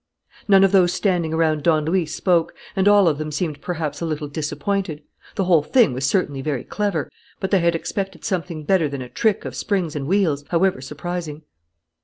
None of those standing around Don Luis spoke, and all of them seemed perhaps a little disappointed. The whole thing was certainly very clever; but they had expected something better than a trick of springs and wheels, however surprising.